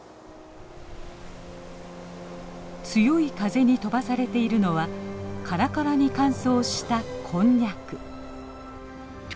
強い風に飛ばされているのはカラカラに乾燥したこんにゃく。